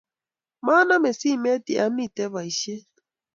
Maname simet ya amite boishet